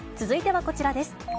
続いてはこちらです。